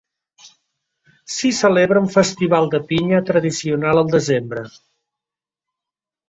S'hi celebra un festival de pinya tradicional al desembre.